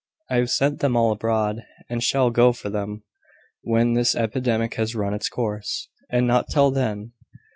I have sent them all abroad, and shall go for them when this epidemic has run its course; and not till then.